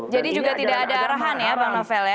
jadi juga tidak ada arahan ya bang novel ya